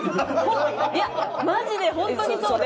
いやマジで本当にそうで。